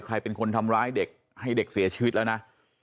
ใครเป็นคนทำร้ายเด็กให้เด็กเสียชีวิตแล้วนะ